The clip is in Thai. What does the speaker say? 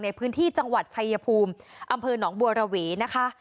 ในพื้นที่จังหวัดชายภูมิอำเภอหนองบัวระวีนะคะ